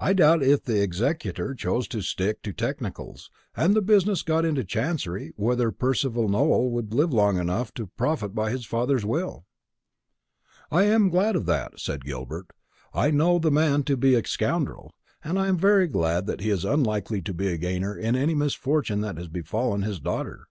I doubt, if the executor chose to stick to technicals, and the business got into chancery, whether Percival Nowell would live long enough to profit by his father's will." "I am glad of that," said Gilbert. "I know the man to be a scoundrel, and I am very glad that he is unlikely to be a gainer by any misfortune that has befallen his daughter.